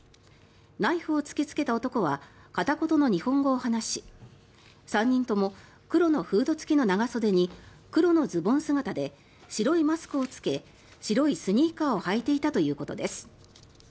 ナイフを突きつけた男が片言の日本語を話し３人とも黒のフード付きの長袖に黒のズボン姿で白いマスクを着け白いスニーカーを履いていたということです。